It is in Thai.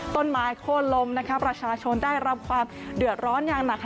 ต้นไม้โค้นลมประชาชนได้รับความเดือดร้อนอย่างหนัก